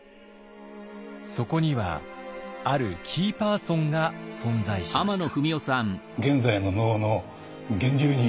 そこにはあるキーパーソンが存在しました。